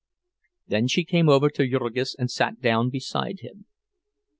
Then she came over to Jurgis and sat down beside him.